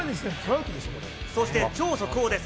そして超速報です。